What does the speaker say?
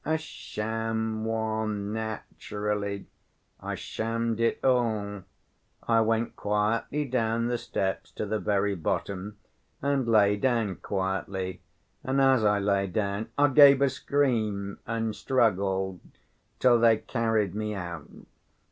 "A sham one, naturally. I shammed it all. I went quietly down the steps to the very bottom and lay down quietly, and as I lay down I gave a scream, and struggled, till they carried me out."